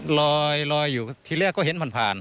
มันกำลังทำอะไรอยู่คะลอยหรือว่าลอยลอยอยู่ที่แรกก็เห็นผ่านผ่าน